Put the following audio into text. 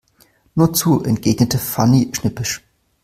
Nur zu, entgegnet Fanny schnippisch.